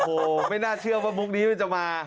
โอ้โหไม่น่าเชื่อว่ามุกนี้มันจะมา